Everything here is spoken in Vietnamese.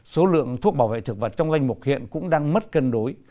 số lượng thuốc bảo vệ thực vật trong danh mục hiện cũng đang mất cân đối